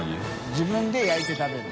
自分で焼いて食べる。